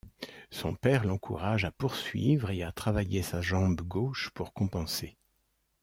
Son père l'encourage à poursuivre et à travailler sa jambe gauche pour compenser.